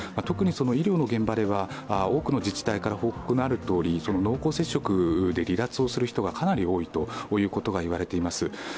特に、医療の現場では多くの自治体から報告のあるとおり、濃厚接触で離脱する人がかなり多いと言われています。